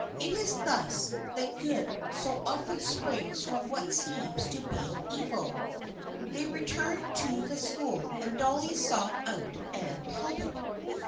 It is thus that good so often springs from what seems to be evil. They returned to the school and Dolly sought out Anne Talbot.